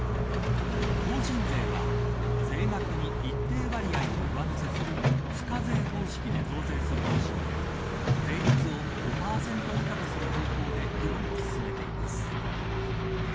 法人税は税額に一定割合を上乗せする付加税方式で増税する方針で税率を５％以下とする方向で議論を進めています。